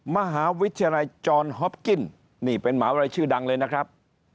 มหาวิทยาลัยจรฮอปกิ้นนี่เป็นมหาวิทยาลัยชื่อดังเลยนะครับ